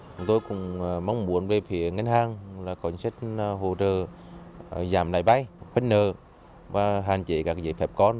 chúng tôi cũng mong muốn về phía ngân hàng có chính sách hỗ trợ giảm lãi bay khuynh nợ và hạn chế các giấy phép con